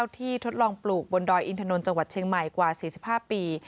ทดลองปลูกบนดอยอินทนนท์จังหวัดเชียงใหม่กว่า๔๕ปี